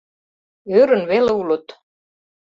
Ӧрын веле улыт.